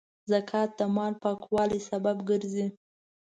زکات د مال پاکوالي سبب ګرځي.